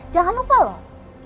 jangan lupa loh